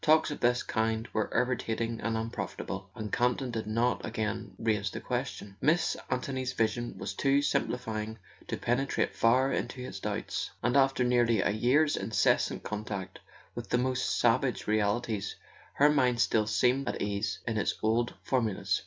Talks of this kind were irritating and unprofitable, and Campton did not again raise the question. Miss An¬ thony's vision was too simplifying to penetrate far into his doubts, and after nearly a year's incessant contact with the most savage realities her mind still seemed at ease in its old formulas.